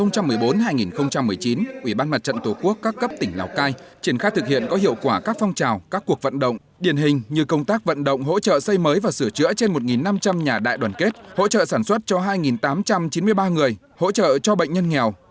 trong nhiệm kỳ hai nghìn một mươi bốn hai nghìn một mươi chín ủy ban mặt trận tổ quốc các cấp tỉnh lào cai triển khát thực hiện có hiệu quả các phong trào các cuộc vận động điển hình như công tác vận động hỗ trợ xây mới và sửa chữa trên một năm trăm linh nhà đại đoàn kết hỗ trợ sản xuất cho hai tám trăm chín mươi ba người hỗ trợ cho bệnh nhân nghèo